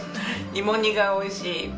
芋煮がおいしい。